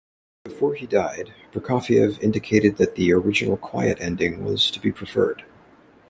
Before he died, Prokofiev indicated that the original quiet ending was to be preferred.